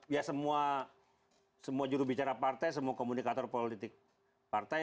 ya semua juru bicara partai semua komunikator politik partai